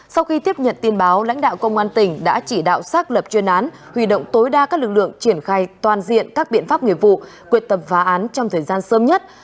sau khi tiếp nhận tin báo lãnh đạo công an tỉnh đã chỉ đạo xác lập chuyên án huy động tối đa các lực lượng triển khai toàn diện các biện pháp nghiệp vụ quyệt tập phá án trong thời gian sớm nhất